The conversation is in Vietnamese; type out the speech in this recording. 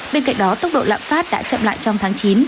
bên cạnh đó tốc độ lạm phát đã chậm lại trong tháng chín